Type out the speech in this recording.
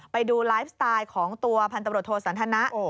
ไปดูไลฟ์สไตล์ของตัวพันตำรวจโทสันทนะ